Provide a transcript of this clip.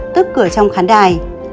tức cửa trong khán đài